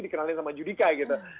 dikenalin sama judika gitu